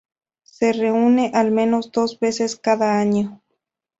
Se reúne al menos dos veces cada año.